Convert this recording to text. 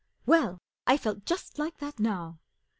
Well, I felt just like that now.